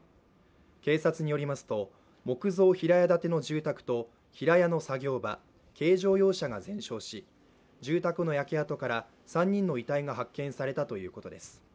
警察によりますと、木造平屋建ての住宅と平屋の作業場、軽乗用車が全焼し住宅の焼け跡から３人の遺体が発見されたということです。